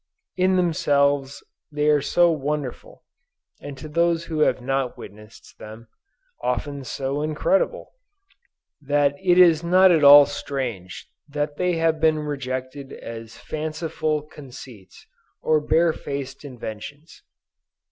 In themselves they are so wonderful, and to those who have not witnessed them, often so incredible, that it is not at all strange that they have been rejected as fanciful conceits, or bare faced inventions.